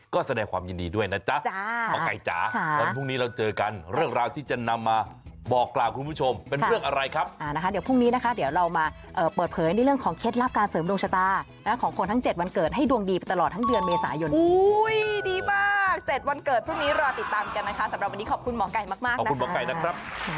ก็คือเวลาได้ไปนะค่ะ